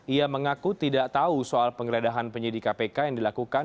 ia mengaku tidak tahu soal penggeledahan penyidik kpk yang dilakukan